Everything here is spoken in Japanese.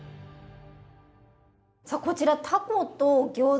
さあこちらタコとギョーザ。